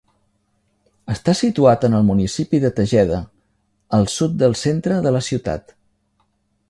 Està situat en el municipi de Tejeda, al sud del centre de la ciutat.